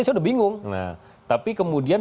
saya udah bingung nah tapi kemudian